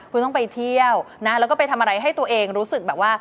คุณต้องไปเที่ยวนะแล้วก็ไปทำอะไรให้ตัวเองรู้สึกแบบว่า